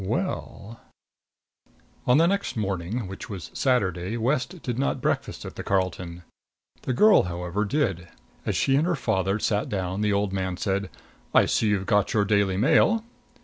Well On the next morning, which was Saturday, West did not breakfast at the Carlton. The girl, however, did. As she and her father sat down the old man said: "I see you've got your Daily Mail."